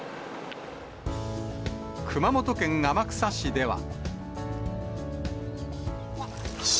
熊本県天草市では。